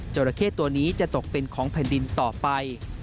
ราเข้ตัวนี้จะตกเป็นของแผ่นดินต่อไป